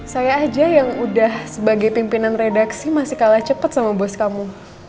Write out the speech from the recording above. saya aja yang udah sebagai pimpinan redaksi masih kalah cepat sama bos kamu